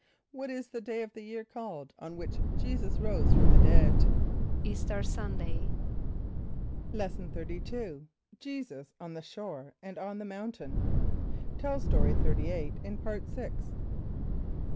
= What is the day of the year called on which J[=e]´[s+]us rose from the dead? =Easter Sunday.= Lesson XXXII. Jesus on the Shore and on the Mountain. (Tell Story 38 in Part Sixth.)